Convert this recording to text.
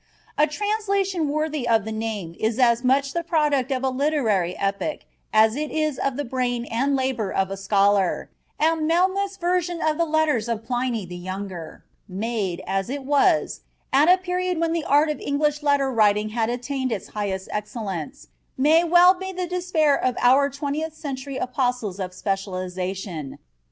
A translation worthy of the name is as much the product of a literary epoch as it is of the brain and labor of a scholar; and Melmouth's version of the letters of Pliny the Younger, made, as it was, at a period when the art of English letter writing had attained its highest excellence, may well be the despair of our twentieth century apostles of specialization.